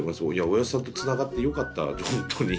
おやぢさんとつながってよかったほんとに。